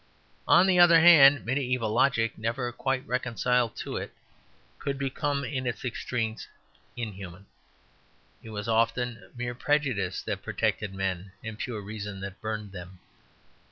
On the other hand, mediæval logic, never quite reconciled to it, could become in its extremes inhuman. It was often mere prejudice that protected men, and pure reason that burned them.